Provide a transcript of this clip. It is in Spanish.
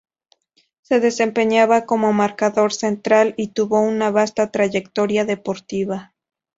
Se desempeñaba como marcador central y tuvo una vasta trayectoria deportiva.